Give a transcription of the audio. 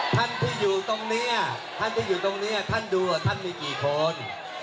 ท่านที่อยู่ตรงนี้ท่านที่อยู่ตรงนี้ท่านดูว่าท่านมีกี่คน